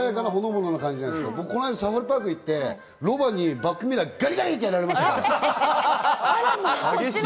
僕、この前、サファリパークに行って、ロバにバックミラー、ガリガリされました。